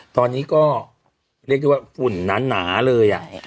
ตอนนี้ก็เรียกได้ว่าฝุ่นหนาเลย